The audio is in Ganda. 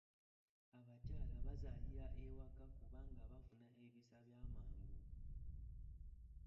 Abakyala bazaalira ewaka kubanga bafuna ebisa eby'amangu.